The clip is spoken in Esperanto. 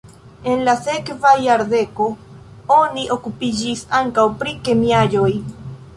En la sekva jardeko oni okupiĝis ankaŭ pri kemiaĵoj.